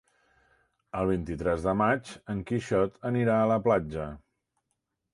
El vint-i-tres de maig en Quixot anirà a la platja.